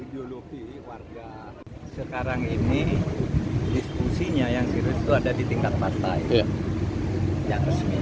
di warga sekarang ini diskusinya yang serius itu ada di tingkat pantai yang resmi